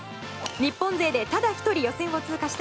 日本勢でただ１人予選を通過した